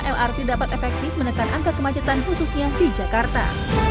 lrt dapat efektif menekan angka kemacetan khususnya di jakarta